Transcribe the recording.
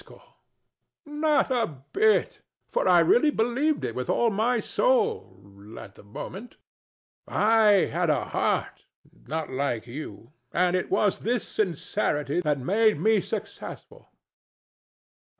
[Stoutly] Not a bit; for I really believed it with all my soul at the moment. I had a heart: not like you. And it was this sincerity that made me successful.